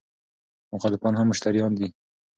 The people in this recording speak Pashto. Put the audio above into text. مخالفان هم مشتریان دي.